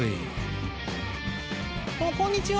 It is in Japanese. こんにちは。